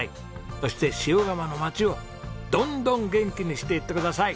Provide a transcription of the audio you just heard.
そして塩竈の街をどんどん元気にしていってください。